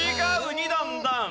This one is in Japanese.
２段ダウン。